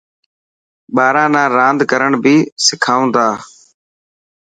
ٻاران نا راند ڪرڻ بهي سکائون ٿا.